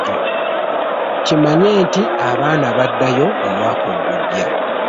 Kimanye nti abaana baddayo omwaka gujja.